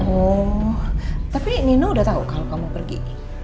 oh tapi nino udah tahu kalau kamu pergi